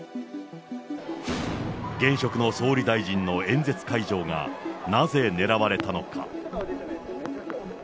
現職の総理大臣の演説会場がなぜ狙われたのか。